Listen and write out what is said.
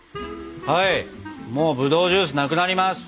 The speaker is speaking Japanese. はいもうぶどうジュースなくなります。